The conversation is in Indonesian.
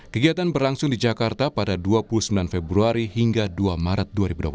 kegiatan berlangsung di jakarta pada dua puluh sembilan februari hingga dua maret dua ribu dua puluh